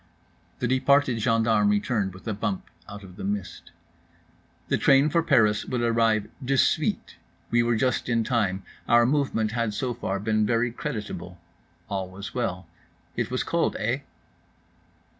The departed gendarme returned, with a bump, out of the mist. The train for Paris would arrive de suite. We were just in time, our movement had so far been very creditable. All was well. It was cold, eh?